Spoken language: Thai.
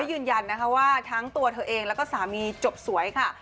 ยืนยันนะคะว่าทั้งตัวเธอเองแล้วก็สามีจบสวยค่ะ